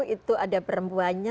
itu ada perempuannya